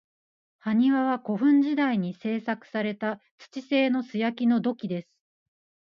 埴輪は、古墳時代に製作された土製の素焼きの土器です。